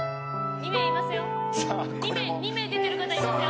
２名出てる方いますよ。